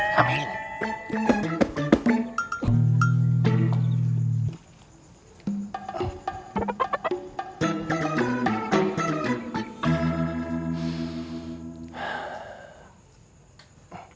tidak ada yang nginep